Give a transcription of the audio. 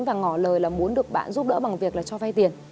và ngỏ lời là muốn được bạn giúp đỡ bằng việc là cho vay tiền